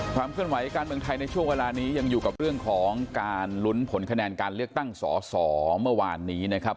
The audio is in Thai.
เคลื่อนไหวการเมืองไทยในช่วงเวลานี้ยังอยู่กับเรื่องของการลุ้นผลคะแนนการเลือกตั้งสอสอเมื่อวานนี้นะครับ